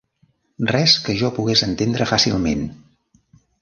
Res que jo pogués entendre fàcilment!